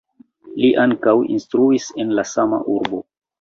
Li ankaŭ instruis en la sama urbo.